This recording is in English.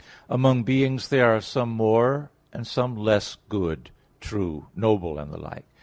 Among beings there are some more and some less good, true, noble and the like.